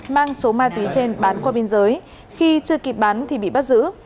mang số ma túy trên bán qua biên giới khi chưa kịp bán thì bị bắt giữ